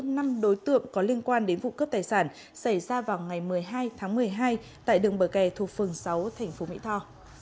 năm đối tượng có liên quan đến vụ cướp tài sản xảy ra vào ngày một mươi hai tháng một mươi hai tại đường bờ kè thuộc phường sáu tp mỹ tho